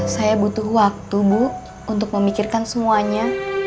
saya butuh waktu bu untuk memikirkan semuanya